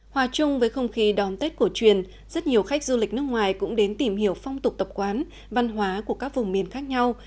hòa chung với không khí đón tết cổ truyền rất nhiều khách du lịch nước ngoài cũng đến tìm hiểu phong tục tập quán văn hóa của các vùng miền khác nhau